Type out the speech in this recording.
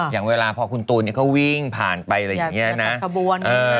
อย่างเวลาพอคุณตูนเขาวิ่งผ่านไปอะไรอย่างนี้นะ